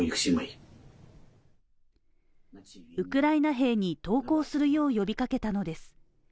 ウクライナ兵に投降するよう呼びかけたのです。